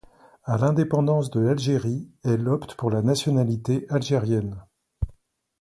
À l'indépendance de l'Algérie, elle opte pour la nationalité algérienne.